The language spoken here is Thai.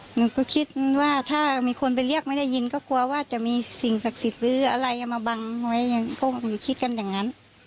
หนูก็คิดว่าถ้ามีคนไปเรียกไม่ได้ยินก็กลัวว่าจะมีสิ่งศักดิ์สิทธิ์หรืออะไรเอามาบังไว้อย่างพวกหนูคิดกันอย่างนั้น